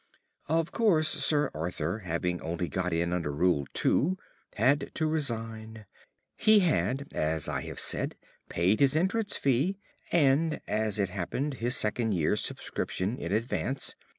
"Of course, Sir Arthur having only got in under Rule Two, had to resign. He had, as I have said, paid his entrance fee, and (as it happened) his second year's subscription in advance.